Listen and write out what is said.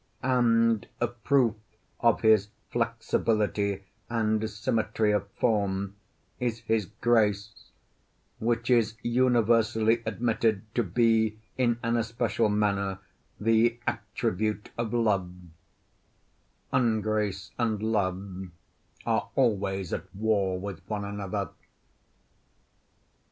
And a proof of his flexibility and symmetry of form is his grace, which is universally admitted to be in an especial manner the attribute of Love; ungrace and love are always at war with one another.